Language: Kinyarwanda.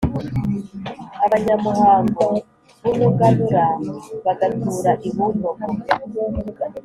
abanyamuhango b’umuganura, bagatura i Bumbogo;